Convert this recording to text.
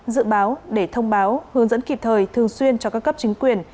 dự báo để thông báo hướng dẫn kịp thời thường xuyên cho các cấp chính quyền